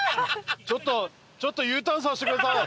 ちょっとちょっとＵターンさせてください。